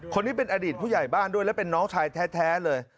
คนนี้เป็นอดีตผู้ใหญ่บ้านด้วยและเป็นน้องชายแท้เลย